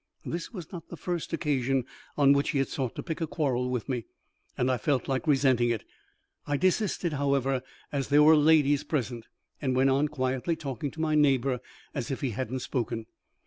This was not the first occasion on which he had sought to pick a quarrel with me, and I felt like resenting it. I desisted, however, as there were ladies present, and went on quietly talking to my neighbour as if he hadn't spoken.